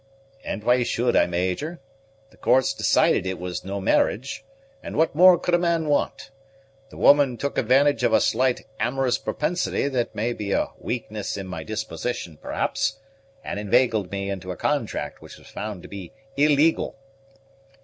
"And why should I Major? The courts decided that it was no marriage; and what more could a man want? The woman took advantage of a slight amorous propensity that may be a weakness in my disposition, perhaps, and inveigled me into a contract which was found to be illegal."